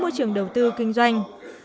môi trường đầu tư kinh doanh